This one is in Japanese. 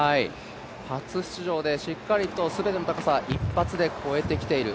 初出場でしっかりと、全ての高さを１発で越えてきている。